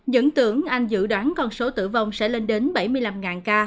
dẫn tưởng anh dự đoán con số tử vong sẽ lên đến bảy mươi năm ca